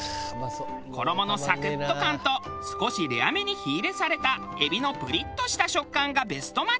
衣のサクッと感と少しレア目に火入れされた海老のプリッとした食感がベストマッチ。